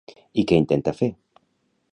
I què intenta fer?